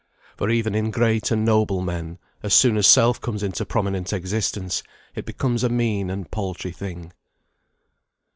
For even in great and noble men, as soon as self comes into prominent existence, it becomes a mean and paltry thing.